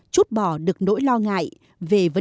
chút bỏ được nỗi loạn